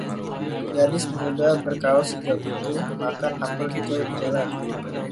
Gadis muda berkaus hijau itu makan apel hijau di jalan.